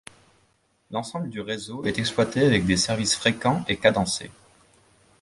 L’ensemble du réseau est exploité avec des services fréquents et cadencés.